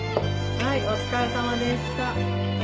はいお疲れさまでした。